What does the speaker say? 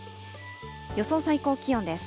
予想最高気温です。